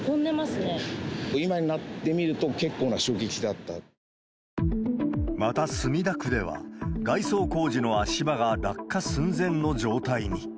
今になってみると、また、墨田区では外装工事の足場が落下寸前の状態に。